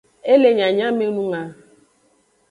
E le nyanyamenung a.